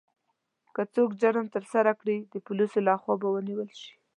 که څوک جرم ترسره کړي، د پولیسو لخوا به ونیول شي.